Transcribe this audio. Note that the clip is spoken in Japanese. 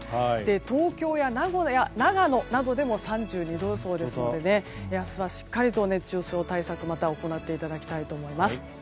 東京や名古屋、長野などでも３２度予想なので明日はしっかりと熱中症対策を行っていただきたいと思います。